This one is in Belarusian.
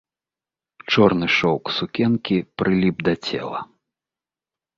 Чорны шоўк сукенкі прыліп да цела.